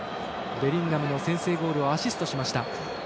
ベリンガムの先制ゴールをアシストしました。